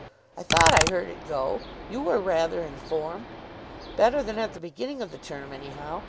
"I thought I heard it go. You were rather in form." "Better than at the beginning of the term, anyhow.